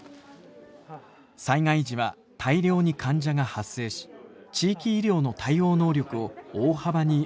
災害時は大量に患者が発生し地域医療の対応能力を大幅に上回ります。